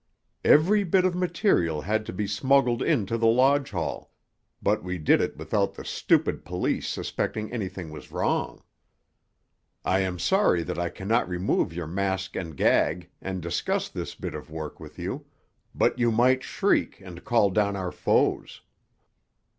Every bit of material had to be smuggled into the lodge hall, but we did it without the stupid police suspecting anything was wrong. "I am sorry that I cannot remove your mask and gag and discuss this bit of work with you, but you might shriek and call down our foes.